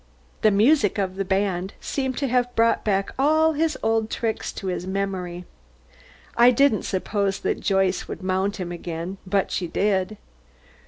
The music of the band seemed to have brought back all his old tricks to his memory. I didn't suppose that Joyce would mount him again, but she did.